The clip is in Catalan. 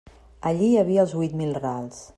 Allí hi havia els huit mil rals.